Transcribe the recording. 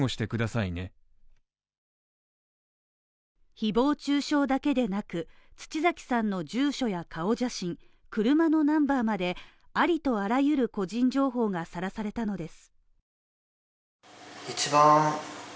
誹謗中傷だけでなく、土崎さんの住所や顔写真、車のナンバーまで、ありとあらゆる個人情報がさらされたのです。